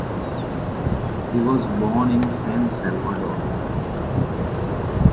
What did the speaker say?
He was born in San Salvador.